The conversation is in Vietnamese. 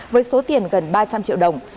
với số tiền gần ba trăm linh triệu đồng